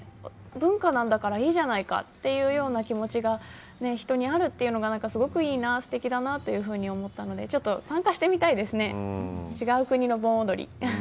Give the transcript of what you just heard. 文化なんだからいいんじゃないかというような気持ちが人にあるというのが、何かすごくいいな、すてきだなというふうに思ったのでちょっと参加してみたいですね。